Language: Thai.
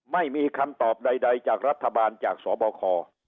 ไม่มีคำตอบใดจากรัฐบาลจากสบค